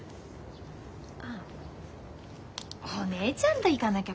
あお姉ちゃんと行かなきゃ。